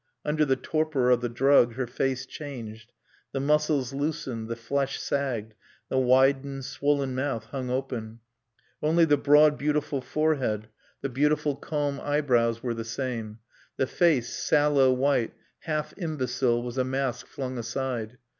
Under the torpor of the drug her face changed; the muscles loosened, the flesh sagged, the widened, swollen mouth hung open; only the broad beautiful forehead, the beautiful calm eyebrows were the same; the face, sallow white, half imbecile, was a mask flung aside.